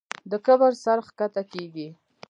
د کبر سر ښکته کېږي.